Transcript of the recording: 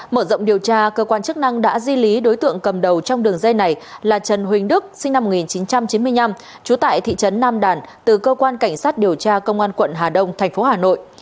mở rộng điều tra cơ quan chức năng đã di lý đối tượng cầm đầu trong đường dây này là trần huỳnh đức sinh năm một nghìn chín trăm chín mươi năm trú tại thị trấn nam đàn từ cơ quan cảnh sát điều tra công an quận hà đông thành phố hà nội